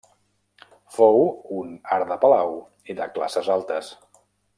Fou un art de palau i de classes altes.